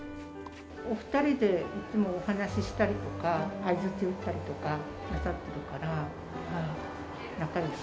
お２人でいつもお話ししたりとか、相づち打ったりとかなさってるから、仲よし。